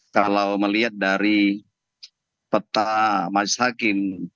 kalau melihat dari peta majelis hakim